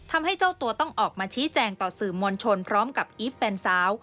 ทำให้เจ้าตัวต้องออกมาชี้แจงต่อสื่อมวลชนพร้อมกับอีฟแฟนสาว